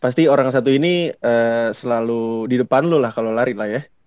pasti orang satu ini selalu di depan lu lah kalau lari lah ya